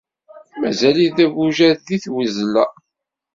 Mazal-it d abujad deg iweẓla.